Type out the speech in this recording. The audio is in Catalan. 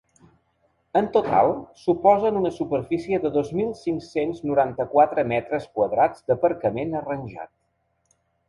En total, suposen una superfície de dos mil cinc-cents noranta-quatre metres quadrats d’aparcament arranjat.